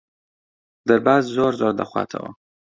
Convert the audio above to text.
دەرباز زۆر زۆر دەخواتەوە.